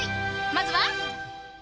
まずは。